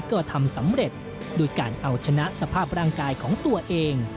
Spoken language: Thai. ก็ทำสำเร็จโดยการเอาชนะสภาพร่างกายของตัวเอง